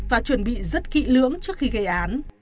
và chuẩn bị rất kỹ lưỡng trước khi gây án